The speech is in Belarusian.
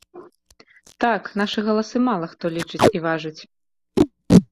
Так, нашы галасы мала хто лічыць і важыць.